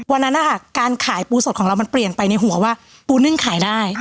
วันนั้นนะคะการขายปูสดของเรามันเปลี่ยนไปในหัวว่าปูนึ่งขายได้